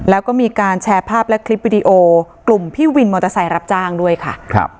แล้วก็มีการแชร์ภาพและคลิปวิดีโอกลุ่มพี่วินมอเตอร์ไซค์รับจ้างด้วยค่ะครับ